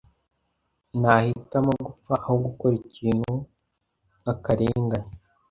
Nahitamo gupfa aho gukora ikintu nkakarengane.